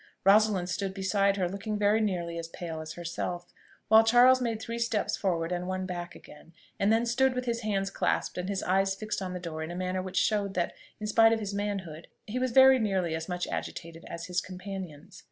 Rosalind stood beside her, looking very nearly as pale as herself; while Charles made three steps forward and one back again, and then stood with his hands clasped and his eyes fixed on the door in a manner which showed that, in spite of his manhood, he was very nearly as much agitated as his companions.